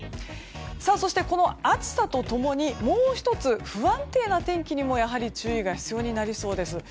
そして、この暑さとともにもう１つ不安定な天気にも注意が必要になりそうです。